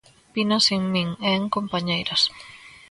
Vinas en min e en compañeiras.